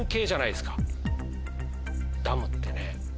ダムってね。